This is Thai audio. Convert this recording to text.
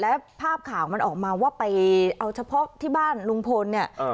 แล้วภาพข่าวมันออกมาว่าไปเอาเฉพาะที่บ้านลุงพลเนี่ย